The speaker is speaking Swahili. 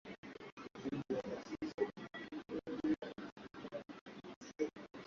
kwa uhusiano huo Katika kipindi kile taarifa mbalimbali ziliandikwa